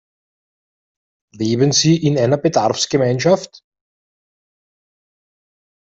Leben Sie in einer Bedarfsgemeinschaft?